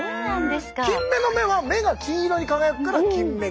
キンメの目は目が金色に輝くから「キンメ」で。